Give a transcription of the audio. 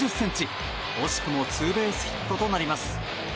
惜しくもツーベースヒットとなります。